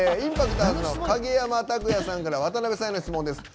ＩＭＰＡＣＴｏｒｓの影山拓也さんから渡辺さんへの質問です。